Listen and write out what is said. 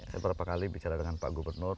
saya berapa kali bicara dengan pak gubernur